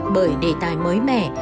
bởi đề tài mới mẻ